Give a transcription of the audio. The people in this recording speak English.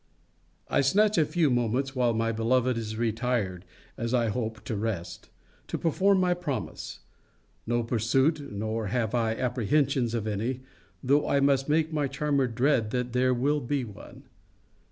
I snatch a few moments while my beloved is retired, [as I hope, to rest,] to perform my promise. No pursuit nor have I apprehensions of any; though I must make my charmer dread that there will be one.